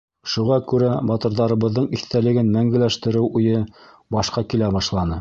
Шуға күрә батырҙарыбыҙҙың иҫтәлеген мәңгеләштереү уйы башҡа килә башланы.